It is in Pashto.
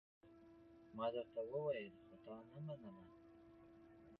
ما درته وويل خو تا نه منله!